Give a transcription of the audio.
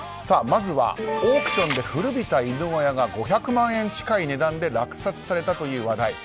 まずはオークションで古びた犬小屋が５００万円近い値段で落札されたという話題。